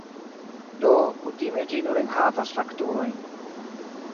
Do, kutime ĝi nur enhavas fakturojn.